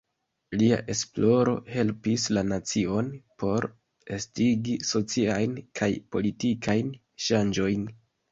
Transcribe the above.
Lia esploro helpis la nacion por estigi sociajn kaj politikajn ŝanĝojn.